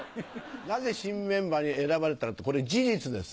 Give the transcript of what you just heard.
なぜ新メンバーに選ばれたって、これ、事実です。